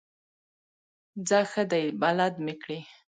ځه ښه دی بلد مې کړې.